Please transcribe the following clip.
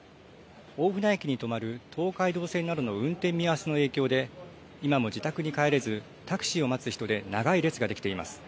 大船駅に止まる東海道線などの運転見合わせの影響で、今も自宅に帰れず、タクシーを待つ人で長い列が出来ています。